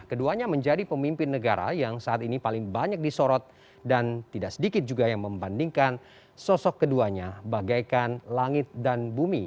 keduanya menjadi pemimpin negara yang saat ini paling banyak disorot dan tidak sedikit juga yang membandingkan sosok keduanya bagaikan langit dan bumi